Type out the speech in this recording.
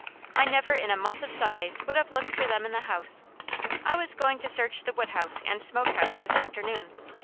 I never in a month of Sundays would have looked for them in the house. I was going to search the wood house and smoke house this afternoon.